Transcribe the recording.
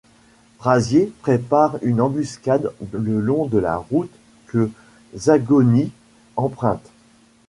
Frazier prépare une embuscade le long de la route que Zagonyi emprunte.